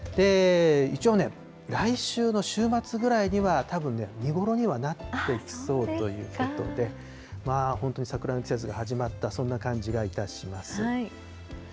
一応、来週の週末ぐらいにはたぶんね、見頃にはなってきそうということで、本当に桜の季節が始まった、そんな感じがいたします。